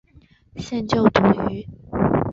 现就读于。